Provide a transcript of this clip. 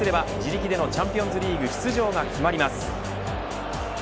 勝利すれば自力でのチャンピオンズリーグ出場が決まります。